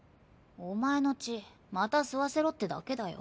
お前の血また吸わせろってだけだよ。